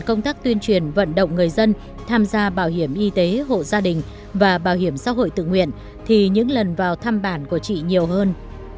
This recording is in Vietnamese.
công tác tuyên truyền vận động người dân tham gia bảo hiểm y tế hộ gia đình và bảo hiểm xã hội tự nguyện thì những lần vào thăm bản của chị nhiều hơn